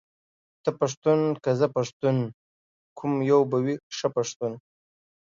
ته پښتون که زه پښتون ، کوم يو به وي ښه پښتون ،